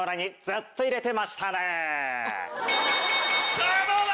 さぁどうだ？